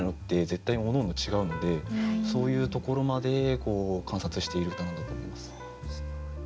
絶対おのおの違うのでそういうところまで観察している歌なんだと思います。